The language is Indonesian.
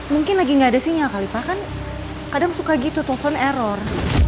mungkin lagi nggak ada sinyal kali pak kan kadang suka gitu telepon error